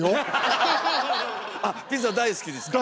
あっピザ大好きですか。